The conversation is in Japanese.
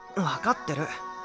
分かってる。